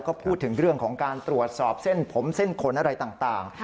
ก็พูดถึงเรื่องของการตรวจสอบเส้นผมเส้นขนอะไรต่าง